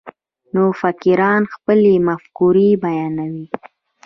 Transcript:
نوفکران خپلې مفکورې بیانوي.